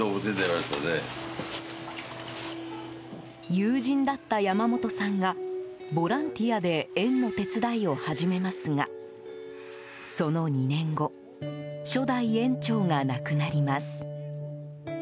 友人だった山本さんがボランティアで園の手伝いを始めますがその２年後初代園長が亡くなります。